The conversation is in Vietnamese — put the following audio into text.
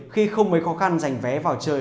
khi không mới khó khăn dành vé vào chơi